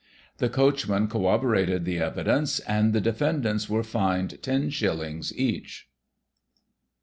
The coachman corroborated the evidence, and the de fendants were fined ten shillings each.